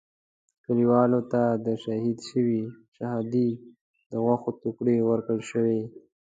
کلیوالو ته د شهید شوي شهادي د غوښو ټوټې ورکړل شوې.